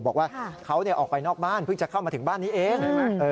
บอกว่าเขาออกไปนอกบ้านเพิ่งจะเข้ามาถึงบ้านนี้เอง